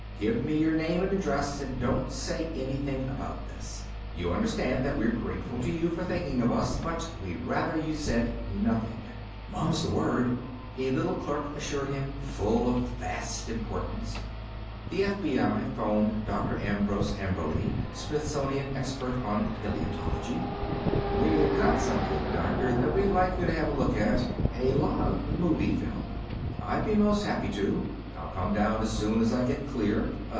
Give me your name and address and don't say anything about this. You understand that we're grateful to you for thinking of us, but we'd rather you said nothing." "Mum's the word," the little clerk assured him, full of vast importance. The FBI phoned Dr. Ambrose Amberly, Smithsonian expert on paleontology. "We've got something, Doctor, that we'd like you to have a look at. A lot of movie film." "I'll be most happy to. I'll come down as soon as I get clear.